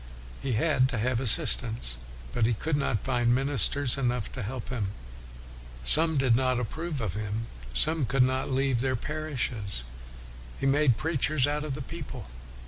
He had to have assistance, but he could not find ministers enough to help him. Some did not approve of him, some could not leave their parishes. He made preachers out of the people.